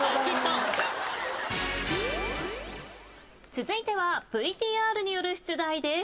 続いてはＶＴＲによる出題です。